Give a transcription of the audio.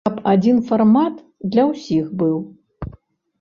Каб адзін фармат для ўсіх быў.